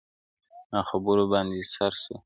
او خبرو باندي سر سو.